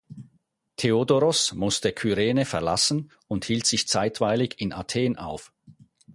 Theodoros musste Kyrene verlassen und hielt sich zeitweilig in Athen auf.